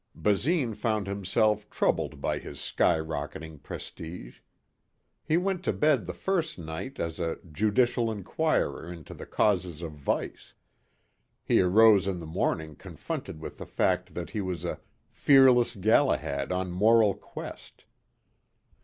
Basine found himself troubled by his sky rocketing prestige. He went to bed the first night as a "judicial inquirer into the causes of vice." He arose in the morning confronted with the fact that he was a "fearless Galahad on Moral Quest."